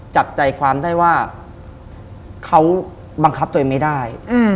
จับใจความได้ว่าเขาบังคับตัวเองไม่ได้